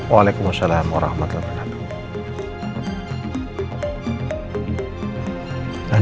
waalaikumsalam warahmatullahi wabarakatuh